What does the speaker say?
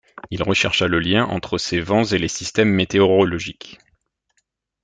Il rechercha le lien entre ces vents et les systèmes météorologiques.